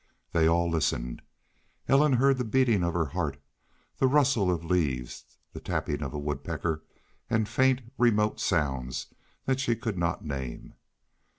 They all listened. Ellen heard the beating of her heart, the rustle of leaves, the tapping of a woodpecker, and faint, remote sounds that she could not name.